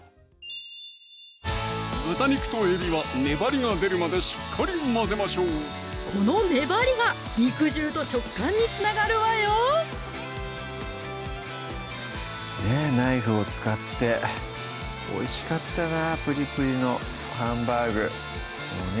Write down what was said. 豚肉とえびは粘りが出るまでしっかり混ぜましょうこの粘りが肉汁と食感につながるわよねぇナイフを使っておいしかったなぷりぷりのハンバーグでもね